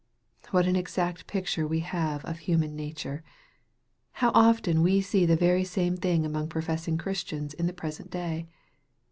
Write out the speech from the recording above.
What an exact picture we have here of human na ture ! How often we see the very same thing among professing Christians in the present day